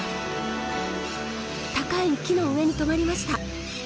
高い木の上に止まりました。